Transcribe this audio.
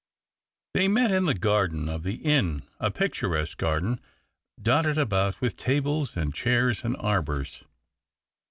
They met in the garden of the inn — a picturesque garden, dotted about with tables and chairs and arbours.